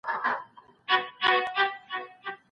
تاسو کولای سئ چي په کور کي هم کار وکړئ.